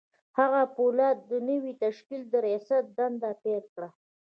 هغه د پولادو د نوي تشکیل د رياست دنده پیل کړه